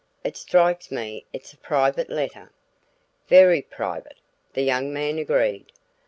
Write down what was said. "It strikes me it's a private letter." "Very private," the young man agreed.